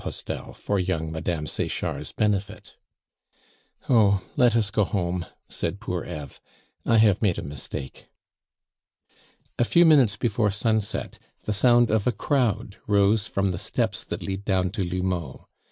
Postel for young Mme. Sechard's benefit. "Oh, let us go home," said poor Eve; "I have made a mistake." A few minutes before sunset, the sound of a crowd rose from the steps that lead down to L'Houmeau.